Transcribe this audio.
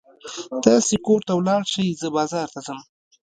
تاسې کور ته ولاړ شئ، زه بازار ته ځم.